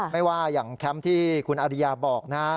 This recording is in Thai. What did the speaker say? ไม่ว่าอย่างแคมป์ที่คุณอริยาบอกนะ